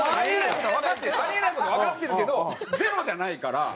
ありえない事はわかってるけどゼロじゃないから。